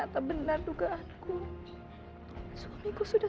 sobel ini kan lagi butuh